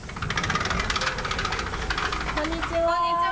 こんにちは。